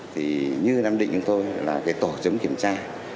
thì như nam định chúng tôi là cái tổ chấm kiểm tra